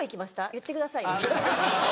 言ってください。